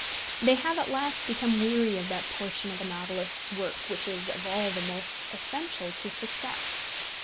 They have at last become weary of that portion of a novelist's work which is of all the most essential to success.